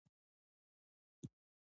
• مینه د زړۀ تسل دی.